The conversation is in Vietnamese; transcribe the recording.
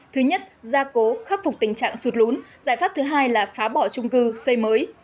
thứ nhất gia cố khắc phục tình trạng sụt lún giải pháp thứ hai là phá bỏ trung cư xây mới